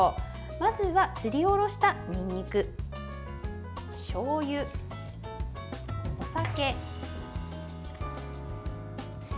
まずは、すりおろしたにんにくしょうゆ、お酒きび糖を入れます。